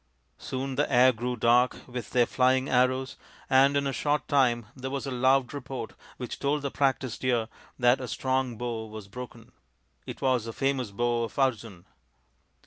Soon the air grew dark with their flying arrows, and in a short time there was a loud report which told the practised ear that a strong bow was broken. It was the famous bow of Arjun